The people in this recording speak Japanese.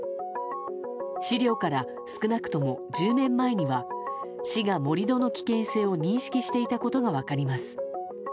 資料から少なくとも１０年前には市が盛り土の危険性を認識していたことが分かります。